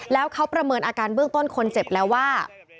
แล้วเขาประเมินอาการเบื้องต้นคนเจ็บแล้วว่า